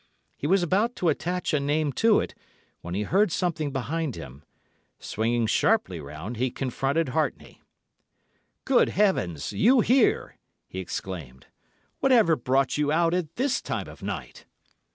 He was about to attach a name to it, when he heard something behind him. Swinging sharply round, he confronted Hartney. "'Good heavens! You here!' he exclaimed. 'Whatever brought you out at this time of night?